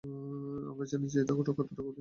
আমরা জানি যে এটা কতটা কঠিন!